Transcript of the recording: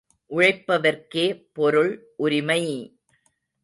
உழைப்பவர்க்கே பொருள் உரிமை!